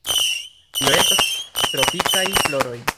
Tio estas tropikaj floroj.